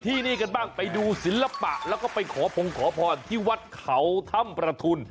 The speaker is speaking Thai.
ที่นี่กันบ้างไปดูศิลปะแล้วก็ไปขอพงขอพรที่วัดเขาถ้ำประทุน